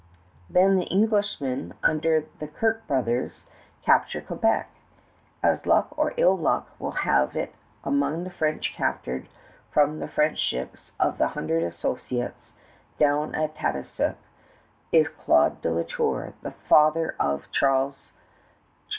Then the Englishmen, under the Kirke brothers, capture Quebec. As luck or ill luck will have it, among the French captured from the French ships of the Hundred Associates down at Tadoussac, is Claude de La Tour, the father of Charles.